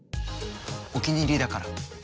お気に入りだから。